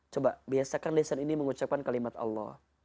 coba biasakan lison ini mengucapkan kalimat allah